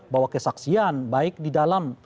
bahwa kesaksian baik di dalam